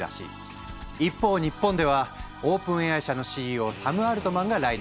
一方日本ではＯｐｅｎＡＩ社のＣＥＯサム・アルトマンが来日。